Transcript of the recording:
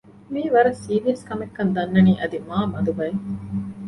މިއީ ވަރަށް ސީރިއަސް ކަމެއް ކަން ދަންނަނީ އަދި މާ މަދު ބަޔެއް